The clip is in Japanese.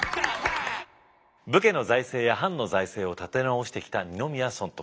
武家の財政や藩の財政を立て直してきた二宮尊徳。